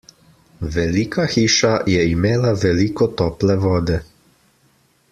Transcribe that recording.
Velika hiša je imela veliko tople vode.